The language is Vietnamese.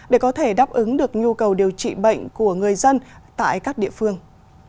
để có thể đáp ứng được nhu cầu điều trị bệnh của người dân tại các địa phương